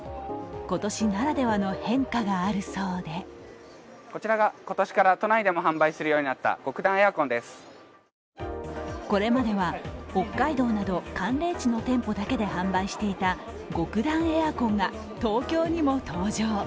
今年ならではの変化があるそうでこれまでは北海道など寒冷地の店舗だけで販売していた極暖エアコンが東京にも登場。